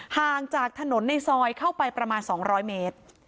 ห่างจากถนนในซอยเข้าไปประมาณ๒๐๐เมตร